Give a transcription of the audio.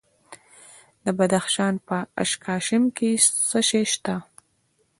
د بدخشان په اشکاشم کې څه شی شته؟